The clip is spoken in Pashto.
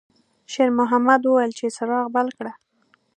شېرمحمد وویل چې څراغ بل کړه.